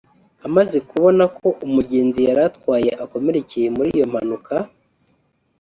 Amaze kubona ko umugenzi yari atwaye akomerekeye muri iyi mpanuka